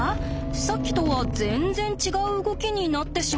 さっきとは全然違う動きになってしまいました。